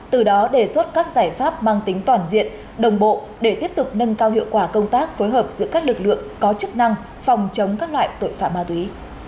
từ đó đề xuất các giải pháp mang tính toàn diện đồng bộ để tiếp tục nâng cao hiệu quả công tác phối hợp giữa các lực lượng có chức năng phòng chống các loại tội phạm ma túy